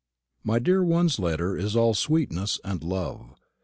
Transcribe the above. My dear one's letter is all sweetness and love.